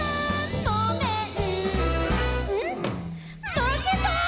まけた」